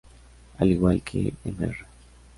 Al igual que "Mr.